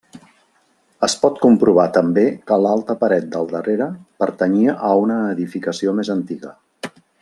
Es pot comprovar també que l'alta paret del darrere, pertanyia a una edificació més antiga.